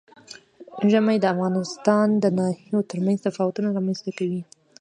ژمی د افغانستان د ناحیو ترمنځ تفاوتونه رامنځ ته کوي.